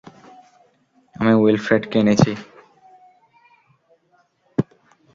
আমি উইলফ্রেডকে এনেছি।